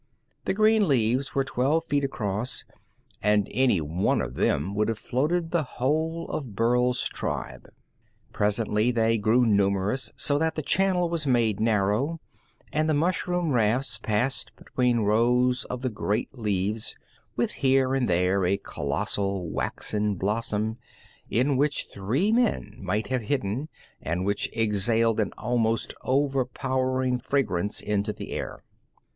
The green leaves were twelve feet across, and any one of them would have floated the whole of Burl's tribe. Presently they grew numerous so that the channel was made narrow, and the mushroom rafts passed between rows of the great leaves, with here and there a colossal, waxen blossom in which three men might have hidden and which exhaled an almost over powering fragrance into the air.